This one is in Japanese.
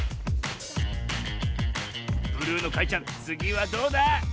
ブルーのかいちゃんつぎはどうだ？